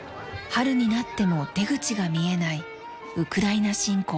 春になっても出口が見えないウクライナ侵攻。